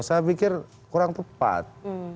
saya pikir kurang tepat